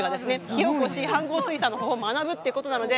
火おこし飯ごう炊さんの方法を学ぶっていうことなので。